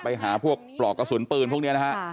ไปหาพวกปลอกกระสุนปืนพวกนี้นะฮะ